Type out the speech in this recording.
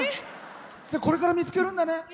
これから見つけるんだね。